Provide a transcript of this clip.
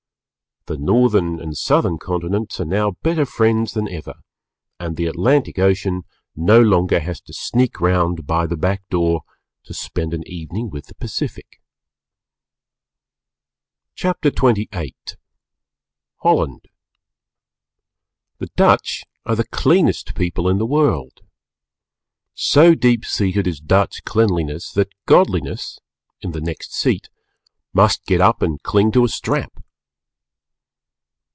The Northern and Southern continents are now better friends than ever and the Atlantic Ocean no longer has to sneak round by the back door to spend an evening with the Pacific. CHAPTER XXVIII HOLLAND The Dutch are the cleanest people in the world. So deep seated is Dutch cleanliness that Godliness (in the next seat) must get up and cling to a strap.